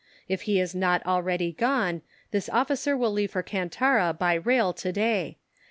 If he has not already gone, this officer will leave for Kantara by rail to day.